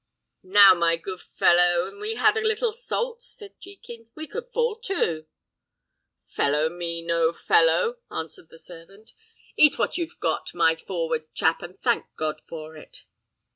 "Now, my good fellow, an we had a little salt," said Jekin, "we could fall to." "Fellow me no fellow!" answered the servant. "Eat what you've got, my forward chap, and thank God for it."